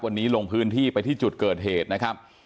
วันนี้ลงพื้นที่ไปที่จุดเกิดเหตุนะครับ